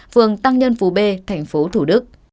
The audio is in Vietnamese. phường tăng nhân phú b tp thủ đức